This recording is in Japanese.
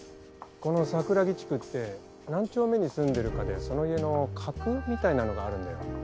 この桜木地区って何丁目に住んでるかでその家の格みたいのがあるんだよ。